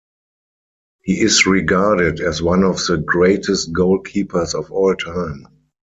He is regarded as one of the greatest goalkeepers of all time.